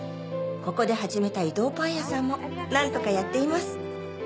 ここではじめた移動パン屋さんもなんとかやっています。